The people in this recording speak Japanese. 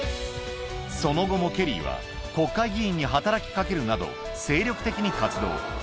その後もケリーは、国会議員に働きかけるなど、精力的に活動。